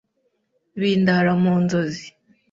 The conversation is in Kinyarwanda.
Bindara mu nzozi